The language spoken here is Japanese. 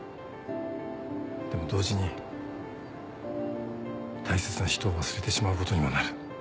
でも同時に大切な人を忘れてしまうことにもなる。